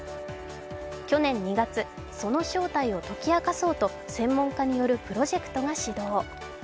去年２月、その正体を解き明かそうと専門家によるプロジェクトが始動。